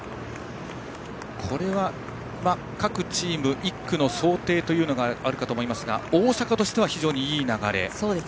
これは、各チーム１区の想定というのがあるかと思いますが大阪としては非常にいい流れ。